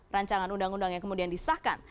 rancangan undang undang yang kemudian disahkan